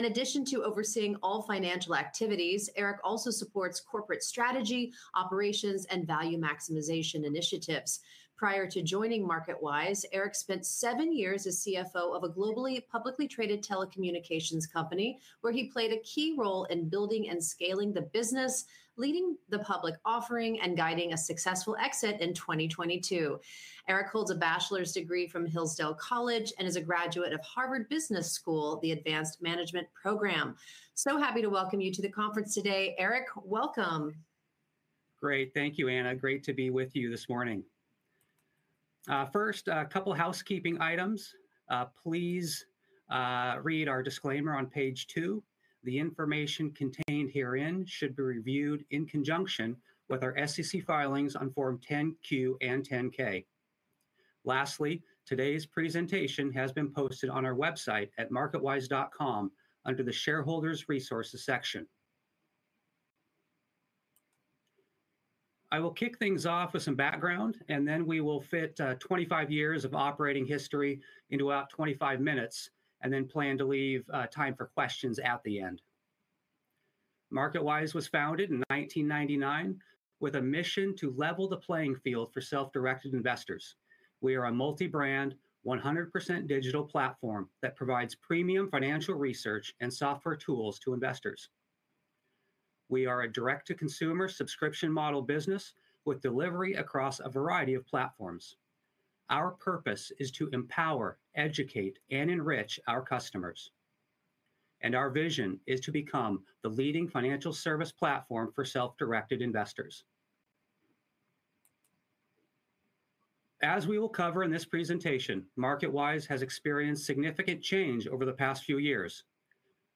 In addition to overseeing all financial activities, Erik also supports corporate strategy, operations, and value maximization initiatives. Prior to joining MarketWise, Erik spent seven years as CFO of a globally publicly traded telecommunications company, where he played a key role in building and scaling the business, leading the public offering, and guiding a successful exit in 2022. Erik holds a bachelor's degree from Hillsdale College and is a graduate of Harvard Business School, the Advanced Management Program. So happy to welcome you to the conference today. Erik, welcome. Great. Thank you, Anna. Great to be with you this morning. First, a couple of housekeeping items. Please read our disclaimer on page two. The information contained herein should be reviewed in conjunction with our SEC filings on Form 10-Q and 10-K. Lastly, today's presentation has been posted on our website at marketwise.com under the Shareholders Resources section. I will kick things off with some background, and then we will fit 25 years of operating history into about 25 minutes and then plan to leave time for questions at the end. MarketWise was founded in 1999 with a mission to level the playing field for self-directed investors. We are a multi-brand, 100% digital platform that provides premium financial research and software tools to investors. We are a direct-to-consumer subscription model business with delivery across a variety of platforms. Our purpose is to empower, educate, and enrich our customers. Our vision is to become the leading financial service platform for self-directed investors. As we will cover in this presentation, MarketWise has experienced significant change over the past few years.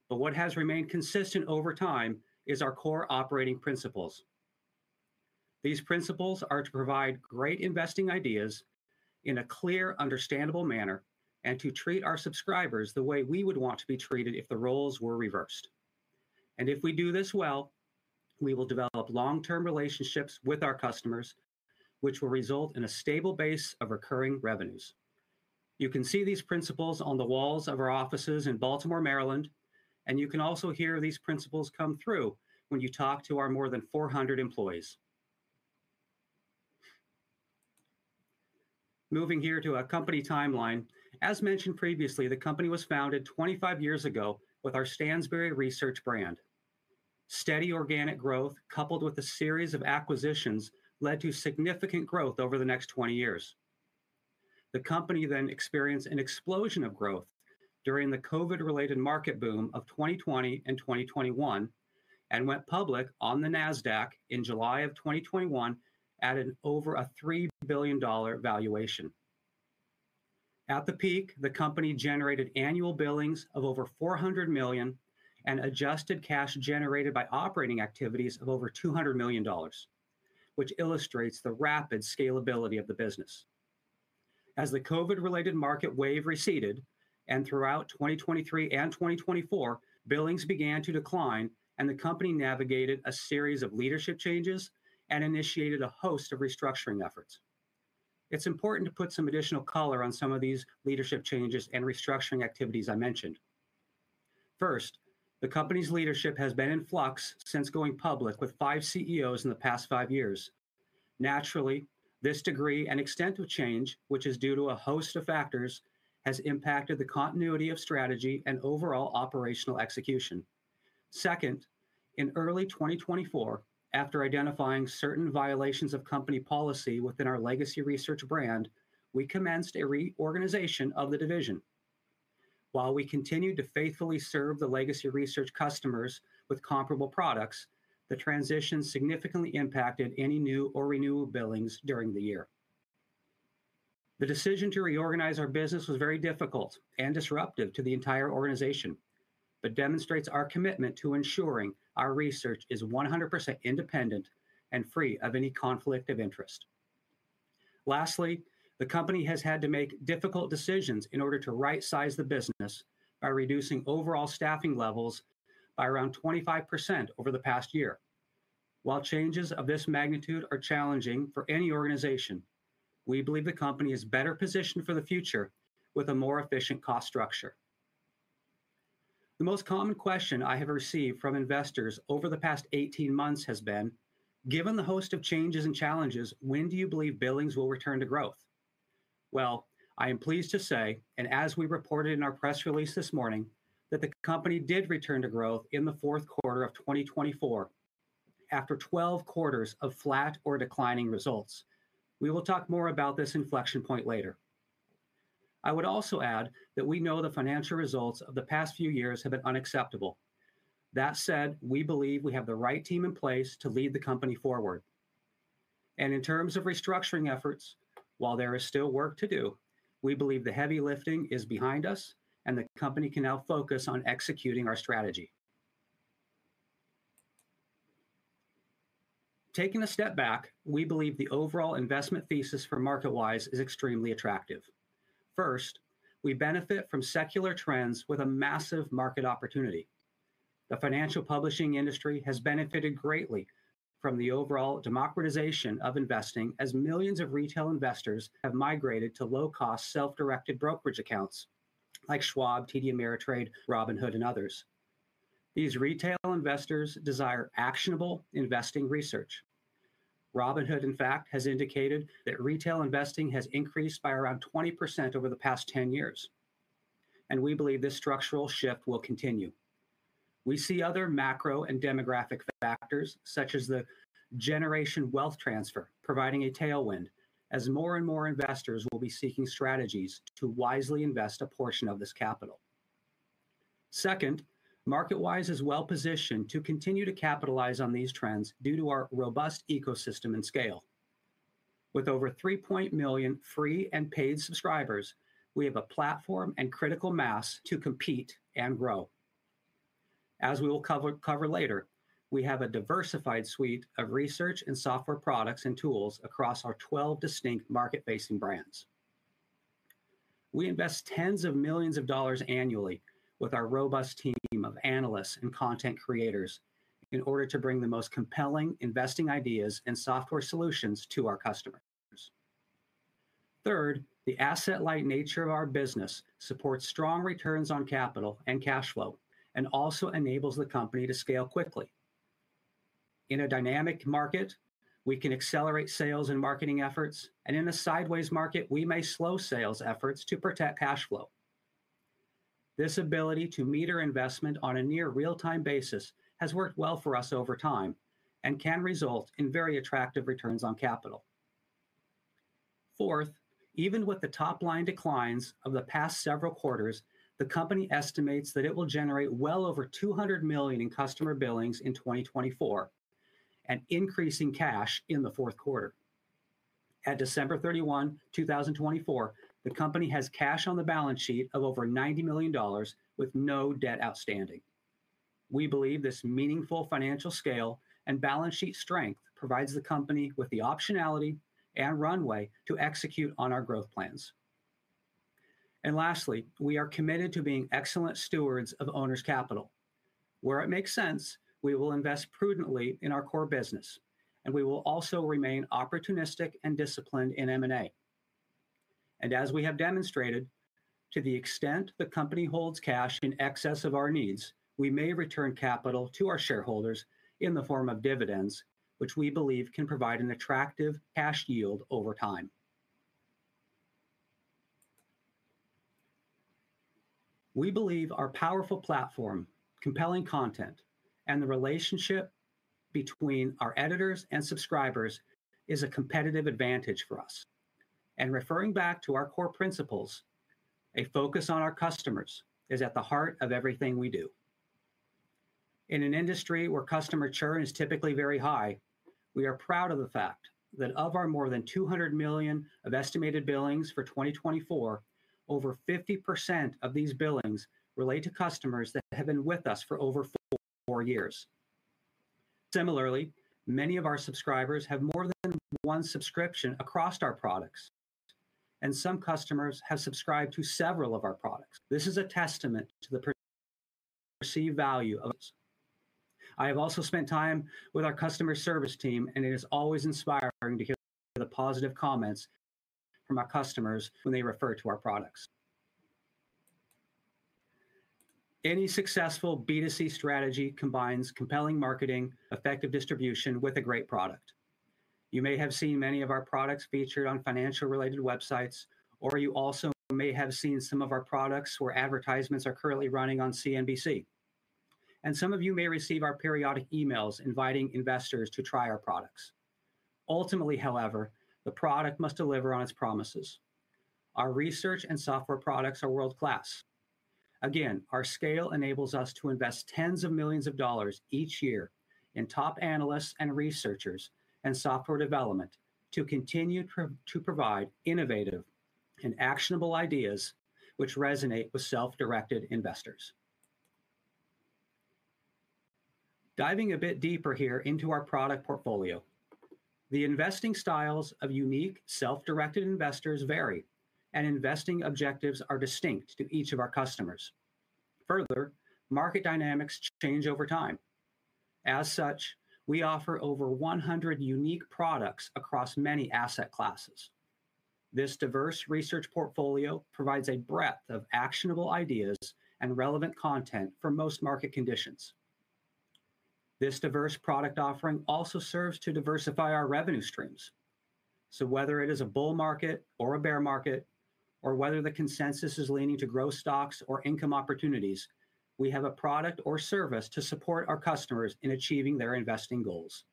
What has remained consistent over time is our core operating principles. These principles are to provide great investing ideas in a clear, understandable manner and to treat our subscribers the way we would want to be treated if the roles were reversed. If we do this well, we will develop long-term relationships with our customers, which will result in a stable base of recurring revenues. You can see these principles on the walls of our offices in Baltimore, Maryland, and you can also hear these principles come through when you talk to our more than 400 employees. Moving here to a company timeline. As mentioned previously, the company was founded 25 years ago with our Stansberry Research brand. Steady organic growth, coupled with a series of acquisitions, led to significant growth over the next 20 years. The company then experienced an explosion of growth during the COVID-related market boom of 2020 and 2021 and went public on the Nasdaq in July of 2021 at an over $3 billion valuation. At the peak, the company generated annual billings of over $400 million and adjusted cash generated by operating activities of over $200 million, which illustrates the rapid scalability of the business. As the COVID-related market wave receded and throughout 2023 and 2024, billings began to decline, and the company navigated a series of leadership changes and initiated a host of restructuring efforts. It's important to put some additional color on some of these leadership changes and restructuring activities I mentioned. First, the company's leadership has been in flux since going public with five CEOs in the past five years. Naturally, this degree and extent of change, which is due to a host of factors, has impacted the continuity of strategy and overall operational execution. Second, in early 2024, after identifying certain violations of company policy within our Legacy Research brand, we commenced a reorganization of the division. While we continued to faithfully serve the Legacy Research customers with comparable products, the transition significantly impacted any new or renewable billings during the year. The decision to reorganize our business was very difficult and disruptive to the entire organization, but demonstrates our commitment to ensuring our research is 100% independent and free of any conflict of interest. Lastly, the company has had to make difficult decisions in order to right-size the business by reducing overall staffing levels by around 25% over the past year. While changes of this magnitude are challenging for any organization, we believe the company is better positioned for the future with a more efficient cost structure. The most common question I have received from investors over the past 18 months has been, "Given the host of changes and challenges, when do you believe billings will return to growth?" Well, I am pleased to say, and as we reported in our press release this morning, that the company did return to growth in the fourth quarter of 2024 after 12 quarters of flat or declining results. We will talk more about this inflection point later. I would also add that we know the financial results of the past few years have been unacceptable. That said, we believe we have the right team in place to lead the company forward, and in terms of restructuring efforts, while there is still work to do, we believe the heavy lifting is behind us, and the company can now focus on executing our strategy. Taking a step back, we believe the overall investment thesis for MarketWise is extremely attractive. First, we benefit from secular trends with a massive market opportunity. The financial publishing industry has benefited greatly from the overall democratization of investing as millions of retail investors have migrated to low-cost self-directed brokerage accounts like Schwab, TD Ameritrade, Robinhood, and others. These retail investors desire actionable investing research. Robinhood, in fact, has indicated that retail investing has increased by around 20% over the past 10 years, and we believe this structural shift will continue. We see other macro and demographic factors, such as the generation wealth transfer, providing a tailwind as more and more investors will be seeking strategies to wisely invest a portion of this capital. Second, MarketWise is well positioned to continue to capitalize on these trends due to our robust ecosystem and scale. With over 3.1 million free and paid subscribers, we have a platform and critical mass to compete and grow. As we will cover later, we have a diversified suite of research and software products and tools across our 12 distinct market-facing brands. We invest tens of millions of dollars annually with our robust team of analysts and content creators in order to bring the most compelling investing ideas and software solutions to our customers. Third, the asset-light nature of our business supports strong returns on capital and cash flow and also enables the company to scale quickly. In a dynamic market, we can accelerate sales and marketing efforts, and in a sideways market, we may slow sales efforts to protect cash flow. This ability to meter investment on a near real-time basis has worked well for us over time and can result in very attractive returns on capital. Fourth, even with the top-line declines of the past several quarters, the company estimates that it will generate well over $200 million in customer billings in 2024 and increasing cash in the fourth quarter. At December 31, 2024, the company has cash on the balance sheet of over $90 million with no debt outstanding. We believe this meaningful financial scale and balance sheet strength provides the company with the optionality and runway to execute on our growth plans, and lastly, we are committed to being excellent stewards of owner's capital. Where it makes sense, we will invest prudently in our core business, and we will also remain opportunistic and disciplined in M&A. And as we have demonstrated, to the extent the company holds cash in excess of our needs, we may return capital to our shareholders in the form of dividends, which we believe can provide an attractive cash yield over time. We believe our powerful platform, compelling content, and the relationship between our editors and subscribers is a competitive advantage for us. And referring back to our core principles, a focus on our customers is at the heart of everything we do. In an industry where customer churn is typically very high, we are proud of the fact that of our more than $200 million of estimated billings for 2024, over 50% of these billings relate to customers that have been with us for over four years. Similarly, many of our subscribers have more than one subscription across our products, and some customers have subscribed to several of our products. This is a testament to the perceived value of this. I have also spent time with our customer service team, and it is always inspiring to hear the positive comments from our customers when they refer to our products. Any successful B2C strategy combines compelling marketing, effective distribution, with a great product. You may have seen many of our products featured on financial-related websites, or you also may have seen some of our products where advertisements are currently running on CNBC, and some of you may receive our periodic emails inviting investors to try our products. Ultimately, however, the product must deliver on its promises. Our research and software products are world-class. Again, our scale enables us to invest tens of millions of dollars each year in top analysts and researchers and software development to continue to provide innovative and actionable ideas which resonate with self-directed investors. Diving a bit deeper here into our product portfolio, the investing styles of unique self-directed investors vary, and investing objectives are distinct to each of our customers. Further, market dynamics change over time. As such, we offer over 100 unique products across many asset classes. This diverse research portfolio provides a breadth of actionable ideas and relevant content for most market conditions. This diverse product offering also serves to diversify our revenue streams. So whether it is a bull market or a bear market, or whether the consensus is leaning to growth stocks or income opportunities, we have a product or service to support our customers in achieving their investing goals.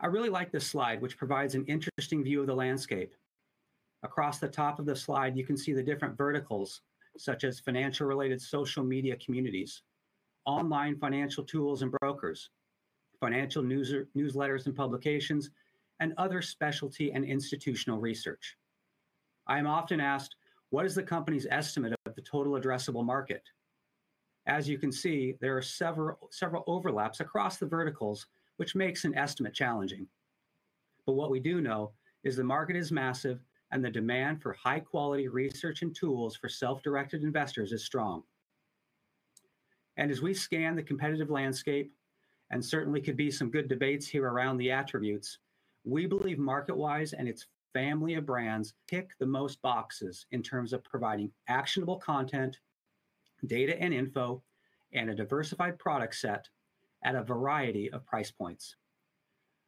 I really like this slide, which provides an interesting view of the landscape. Across the top of the slide, you can see the different verticals, such as financial-related social media communities, online financial tools and brokers, financial newsletters and publications, and other specialty and institutional research. I am often asked, "What is the company's estimate of the total addressable market?" As you can see, there are several overlaps across the verticals, which makes an estimate challenging. But what we do know is the market is massive, and the demand for high-quality research and tools for self-directed investors is strong, and as we scan the competitive landscape, and certainly could be some good debates here around the attributes, we believe MarketWise and its family of brands tick the most boxes in terms of providing actionable content, data and info, and a diversified product set at a variety of price points.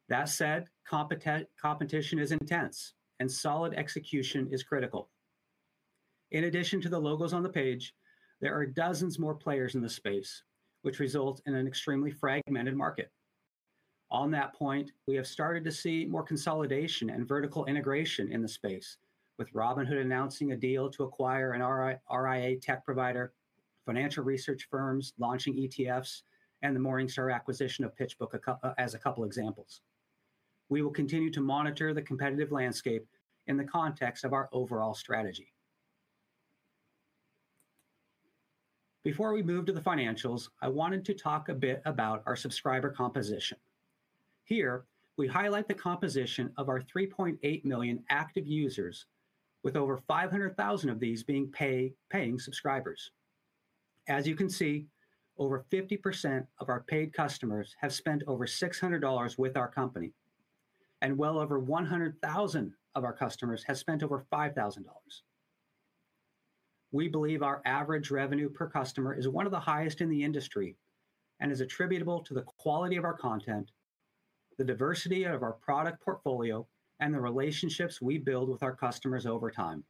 That said, competition is intense, and solid execution is critical. In addition to the logos on the page, there are dozens more players in the space, which results in an extremely fragmented market. On that point, we have started to see more consolidation and vertical integration in the space, with Robinhood announcing a deal to acquire an RIA tech provider, financial research firms launching ETFs, and the Morningstar acquisition of PitchBook as a couple of examples. We will continue to monitor the competitive landscape in the context of our overall strategy. Before we move to the financials, I wanted to talk a bit about our subscriber composition. Here, we highlight the composition of our 3.8 million active users, with over 500,000 of these being paying subscribers. As you can see, over 50% of our paid customers have spent over $600 with our company, and well over 100,000 of our customers have spent over $5,000. We believe our average revenue per customer is one of the highest in the industry and is attributable to the quality of our content, the diversity of our product portfolio, and the relationships we build with our customers over time.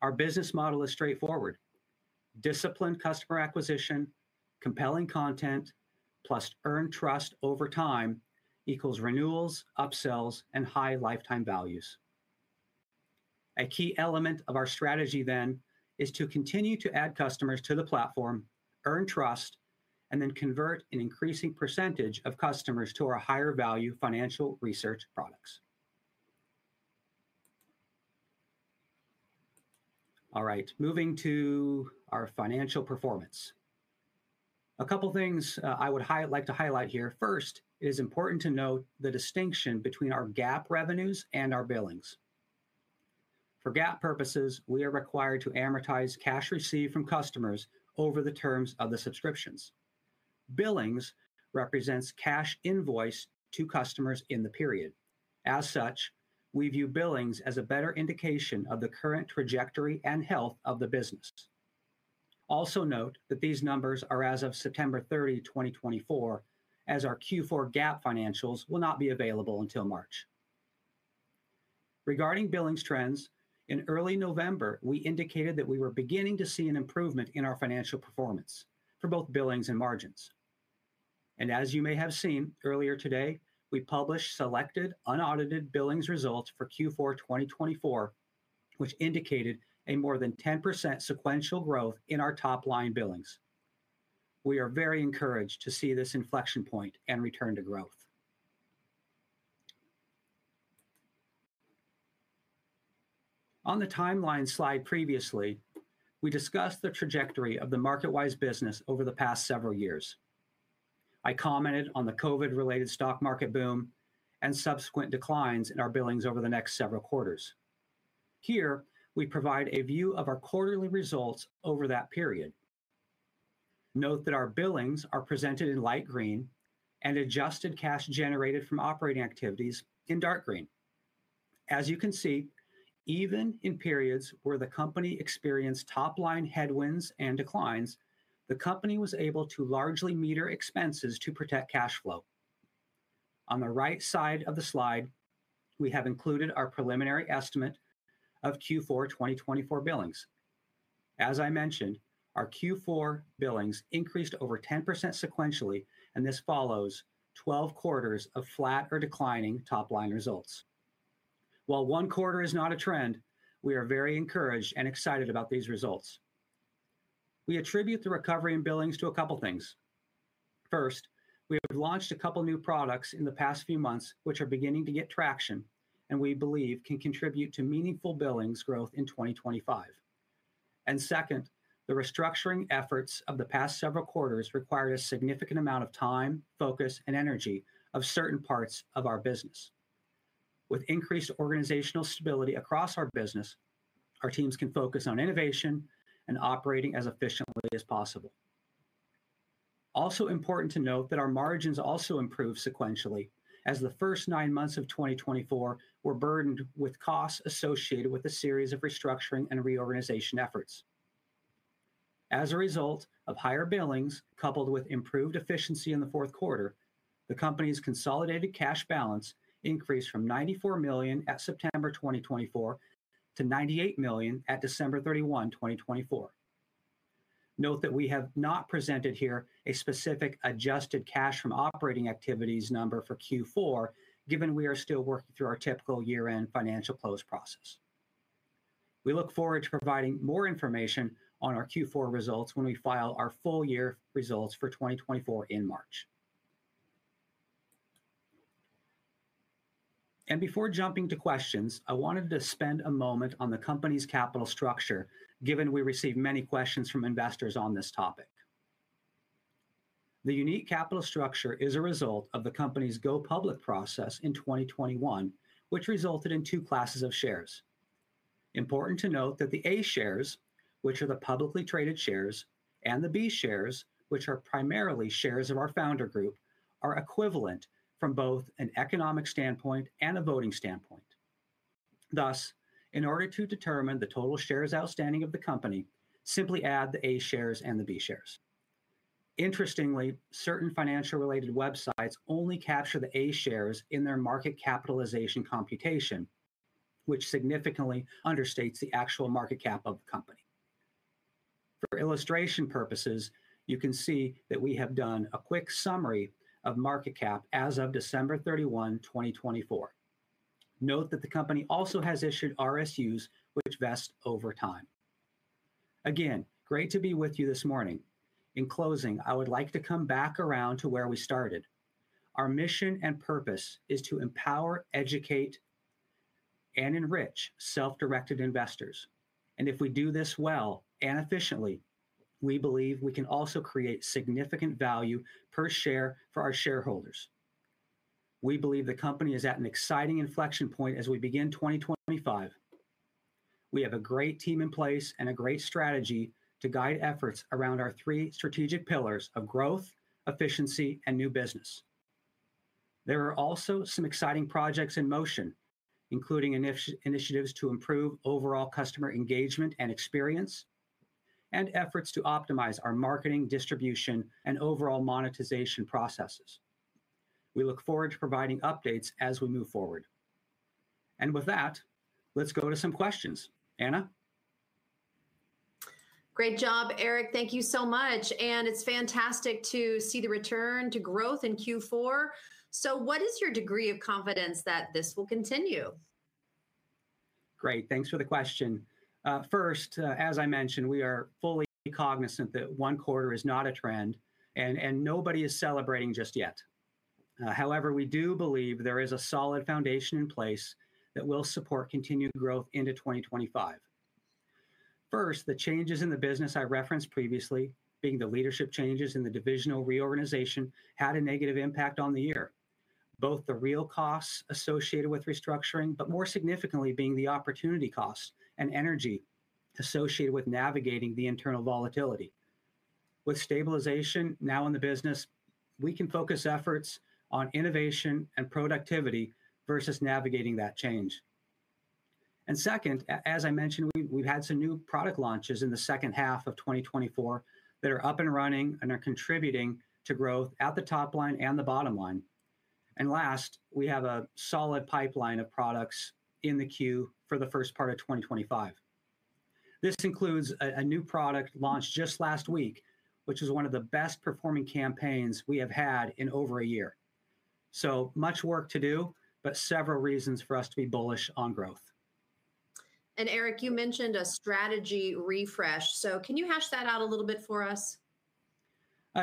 Our business model is straightforward: disciplined customer acquisition, compelling content, plus earned trust over time equals renewals, upsells, and high lifetime values. A key element of our strategy, then, is to continue to add customers to the platform, earn trust, and then convert an increasing percentage of customers to our higher-value financial research products. All right, moving to our financial performance. A couple of things I would like to highlight here. First, it is important to note the distinction between our GAAP revenues and our billings. For GAAP purposes, we are required to amortize cash received from customers over the terms of the subscriptions. Billings represents cash invoiced to customers in the period. As such, we view billings as a better indication of the current trajectory and health of the business. Also note that these numbers are as of September 30, 2024, as our Q4 GAAP financials will not be available until March. Regarding billings trends, in early November, we indicated that we were beginning to see an improvement in our financial performance for both billings and margins. And as you may have seen earlier today, we published selected unaudited billings results for Q4 2024, which indicated a more than 10% sequential growth in our top-line billings. We are very encouraged to see this inflection point and return to growth. On the timeline slide previously, we discussed the trajectory of the MarketWise business over the past several years. I commented on the COVID-related stock market boom and subsequent declines in our billings over the next several quarters. Here, we provide a view of our quarterly results over that period. Note that our billings are presented in light green and adjusted cash generated from operating activities in dark green. As you can see, even in periods where the company experienced top-line headwinds and declines, the company was able to largely meter expenses to protect cash flow. On the right side of the slide, we have included our preliminary estimate of Q4 2024 billings. As I mentioned, our Q4 billings increased over 10% sequentially, and this follows 12 quarters of flat or declining top-line results. While one quarter is not a trend, we are very encouraged and excited about these results. We attribute the recovery in billings to a couple of things. First, we have launched a couple of new products in the past few months, which are beginning to get traction and we believe can contribute to meaningful billings growth in 2025, and second, the restructuring efforts of the past several quarters required a significant amount of time, focus, and energy of certain parts of our business. With increased organizational stability across our business, our teams can focus on innovation and operating as efficiently as possible. Also important to note that our margins also improved sequentially as the first nine months of 2024 were burdened with costs associated with a series of restructuring and reorganization efforts. As a result of higher billings coupled with improved efficiency in the fourth quarter, the company's consolidated cash balance increased from $94 million at September 2024 to $98 million at December 31, 2024. Note that we have not presented here a specific adjusted cash from operating activities number for Q4, given we are still working through our typical year-end financial close process. We look forward to providing more information on our Q4 results when we file our full year results for 2024 in March, and before jumping to questions, I wanted to spend a moment on the company's capital structure, given we received many questions from investors on this topic. The unique capital structure is a result of the company's Go Public process in 2021, which resulted in two classes of shares. Important to note that the A shares, which are the publicly traded shares, and the B shares, which are primarily shares of our founder group, are equivalent from both an economic standpoint and a voting standpoint. Thus, in order to determine the total shares outstanding of the company, simply add the A shares and the B shares. Interestingly, certain financial-related websites only capture the A shares in their market capitalization computation, which significantly understates the actual market cap of the company. For illustration purposes, you can see that we have done a quick summary of market cap as of December 31, 2024. Note that the company also has issued RSUs, which vest over time. Again, great to be with you this morning. In closing, I would like to come back around to where we started. Our mission and purpose is to empower, educate, and enrich self-directed investors, and if we do this well and efficiently, we believe we can also create significant value per share for our shareholders. We believe the company is at an exciting inflection point as we begin 2025. We have a great team in place and a great strategy to guide efforts around our three strategic pillars of growth, efficiency, and new business. There are also some exciting projects in motion, including initiatives to improve overall customer engagement and experience, and efforts to optimize our marketing, distribution, and overall monetization processes. We look forward to providing updates as we move forward. And with that, let's go to some questions. Anna? Great job, Erik. Thank you so much. And it's fantastic to see the return to growth in Q4. So what is your degree of confidence that this will continue? Great. Thanks for the question. First, as I mentioned, we are fully cognizant that one quarter is not a trend, and nobody is celebrating just yet. However, we do believe there is a solid foundation in place that will support continued growth into 2025. First, the changes in the business I referenced previously, being the leadership changes in the divisional reorganization, had a negative impact on the year. Both the real costs associated with restructuring, but more significantly, being the opportunity costs and energy associated with navigating the internal volatility. With stabilization now in the business, we can focus efforts on innovation and productivity versus navigating that change. And second, as I mentioned, we've had some new product launches in the second half of 2024 that are up and running and are contributing to growth at the top line and the bottom line. And last, we have a solid pipeline of products in the queue for the first part of 2025. This includes a new product launched just last week, which is one of the best-performing campaigns we have had in over a year. So much work to do, but several reasons for us to be bullish on growth. And Erik, you mentioned a strategy refresh. So can you hash that out a little bit for us?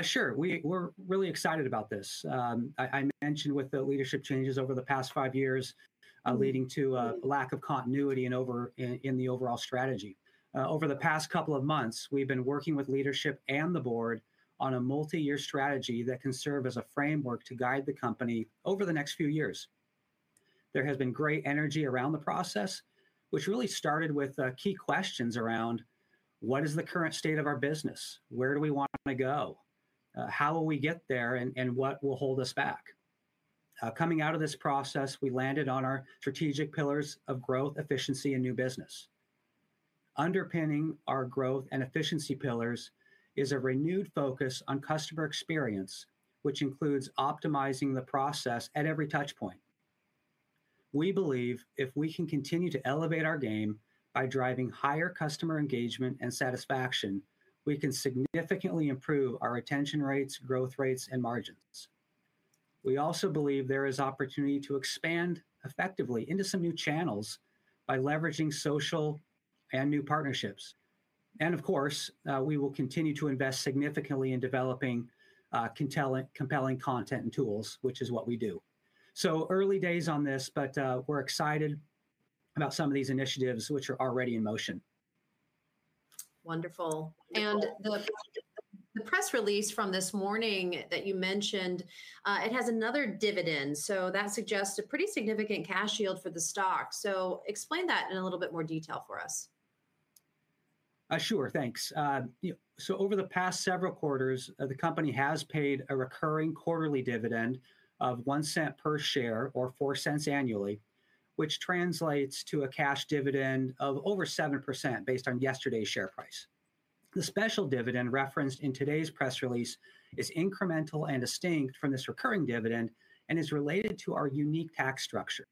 Sure. We're really excited about this. I mentioned with the leadership changes over the past five years leading to a lack of continuity in the overall strategy. Over the past couple of months, we've been working with leadership and the board on a multi-year strategy that can serve as a framework to guide the company over the next few years. There has been great energy around the process, which really started with key questions around what is the current state of our business? Where do we want to go? How will we get there? And what will hold us back? Coming out of this process, we landed on our strategic pillars of growth, efficiency, and new business. Underpinning our growth and efficiency pillars is a renewed focus on customer experience, which includes optimizing the process at every touchpoint. We believe if we can continue to elevate our game by driving higher customer engagement and satisfaction, we can significantly improve our retention rates, growth rates, and margins. We also believe there is opportunity to expand effectively into some new channels by leveraging social and new partnerships. And of course, we will continue to invest significantly in developing compelling content and tools, which is what we do. So early days on this, but we're excited about some of these initiatives which are already in motion. Wonderful. And the press release from this morning that you mentioned, it has another dividend. So that suggests a pretty significant cash yield for the stock. So explain that in a little bit more detail for us? Sure. Thanks. So over the past several quarters, the company has paid a recurring quarterly dividend of $0.01 per share or $0.04 annually, which translates to a cash dividend of over 7% based on yesterday's share price. The special dividend referenced in today's press release is incremental and distinct from this recurring dividend and is related to our unique tax structure.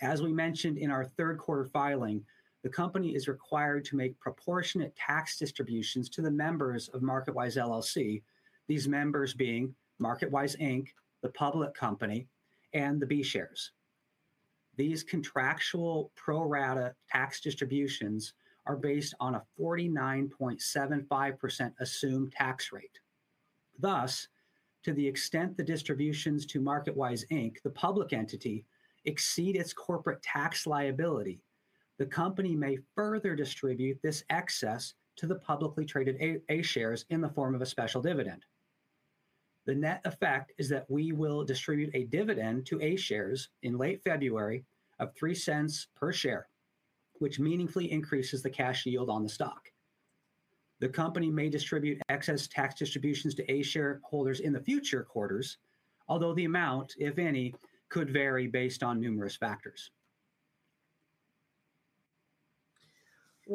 As we mentioned in our third quarter filing, the company is required to make proportionate tax distributions to the members of MarketWise, LLC, these members being MarketWise, Inc., the public company, and the B shares. These contractual pro rata tax distributions are based on a 49.75% assumed tax rate. Thus, to the extent the distributions to MarketWise, Inc., the public entity, exceed its corporate tax liability, the company may further distribute this excess to the publicly traded A shares in the form of a special dividend. The net effect is that we will distribute a dividend to A shares in late February of $0.03 per share, which meaningfully increases the cash yield on the stock. The company may distribute excess tax distributions to A shareholders in the future quarters, although the amount, if any, could vary based on numerous factors.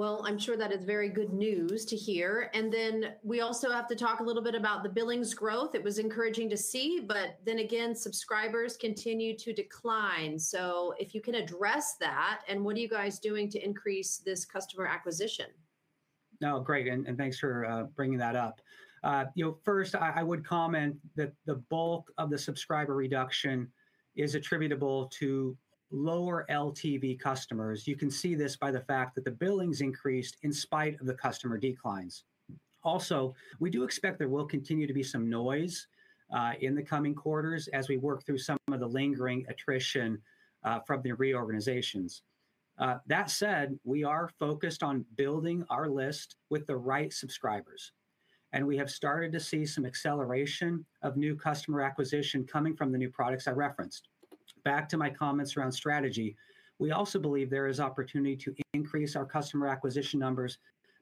I'm sure that is very good news to hear. Then we also have to talk a little bit about the billings growth. It was encouraging to see, but then again, subscribers continue to decline. If you can address that, and what are you guys doing to increase this customer acquisition? No, great. Thanks for bringing that up. First, I would comment that the bulk of the subscriber reduction is attributable to lower LTV customers. You can see this by the fact that the billings increased in spite of the customer declines. Also, we do expect there will continue to be some noise in the coming quarters as we work through some of the lingering attrition from the reorganizations. That said, we are focused on building our list with the right subscribers. And we have started to see some acceleration of new customer acquisition coming from the new products I referenced. Back to my comments around strategy, we also believe there is opportunity to increase our customer acquisition numbers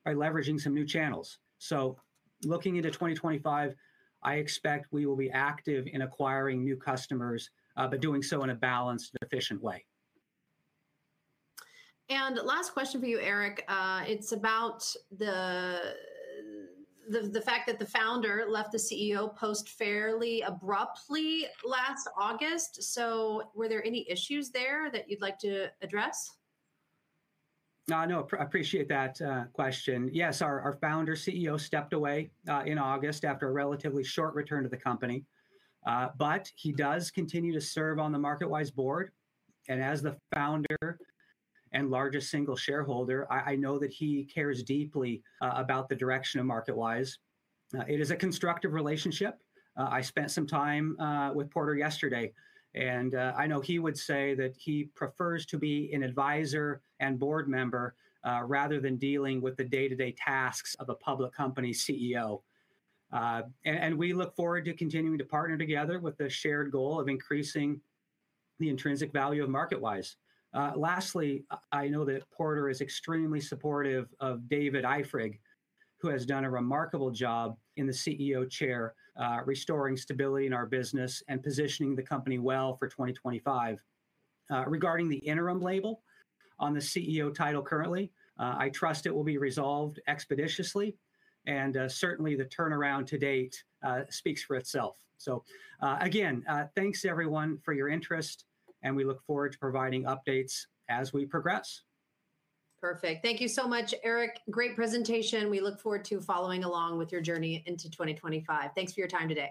by leveraging some new channels. So looking into 2025, I expect we will be active in acquiring new customers, but doing so in a balanced and efficient way. And last question for you, Erik. It's about the fact that the founder left the CEO post fairly abruptly last August. So were there any issues there that you'd like to address? No, I appreciate that question. Yes, our founder CEO stepped away in August after a relatively short return to the company. But he does continue to serve on the MarketWise board. And as the founder and largest single shareholder, I know that he cares deeply about the direction of MarketWise. It is a constructive relationship. I spent some time with Porter yesterday, and I know he would say that he prefers to be an advisor and board member rather than dealing with the day-to-day tasks of a public company CEO. And we look forward to continuing to partner together with the shared goal of increasing the intrinsic value of MarketWise. Lastly, I know that Porter is extremely supportive of David Eifrig, who has done a remarkable job in the CEO chair, restoring stability in our business and positioning the company well for 2025. Regarding the interim label on the CEO title currently, I trust it will be resolved expeditiously. And certainly, the turnaround to date speaks for itself. So again, thanks everyone for your interest, and we look forward to providing updates as we progress. Perfect. Thank you so much, Erik. Great presentation. We look forward to following along with your journey into 2025. Thanks for your time today.